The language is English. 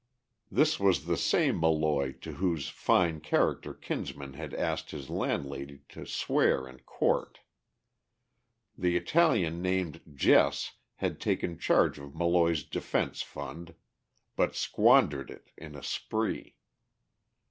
This was the same Molloy to whose fine character Kinsman had asked his landlady to swear in court. The Italian named Jess had taken charge of Molloy's defense fund, but squandered it in a spree.